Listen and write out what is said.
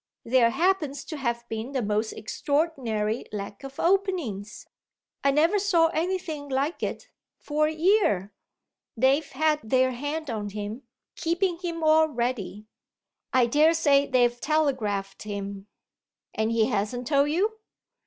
There happens to have been the most extraordinary lack of openings I never saw anything like it for a year. They've had their hand on him, keeping him all ready. I daresay they've telegraphed him." "And he hasn't told you?"